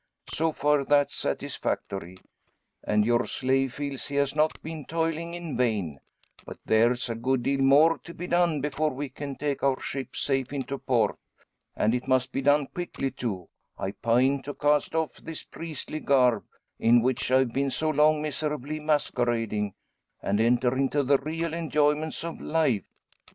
So far that's satisfactory; and your slave feels he has not been toiling in vain. But there's a good deal more to be done before we can take our ship safe into port. And it must be done quickly, too. I pine to cast off this priestly garb in which I've been so long miserably masquerading and enter into the real enjoyments of life.